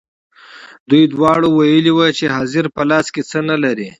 دوی دواړو ویلي وو چې حاضر په لاس کې څه نه لري.